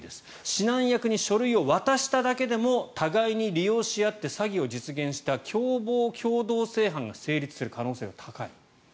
指南役に書類を渡しただけでも互いに利用し合って詐欺を実現した共謀共同正犯が成立する可能性が高い。